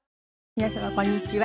皆様こんにちは。